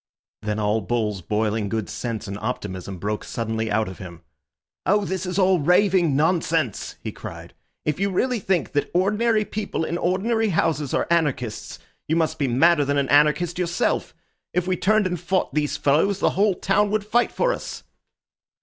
Then all Bull's boiling good sense and optimism broke suddenly out of him. "Oh, this is all raving nonsense!" he cried. "If you really think that ordinary people in ordinary houses are anarchists, you must be madder than an anarchist yourself. If we turned and fought these fellows, the whole town would fight for us."